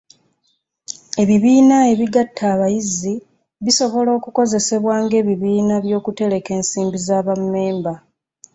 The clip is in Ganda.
Ebibiina ebigatta abayizi basobola okukozesebwa ng'ebibiina by'okutereka ensimbi za bammemba.